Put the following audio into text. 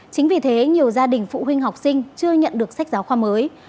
chính vì thế nhiều gia đình phụ huynh học sinh chưa nhận được sách giáo khoa mới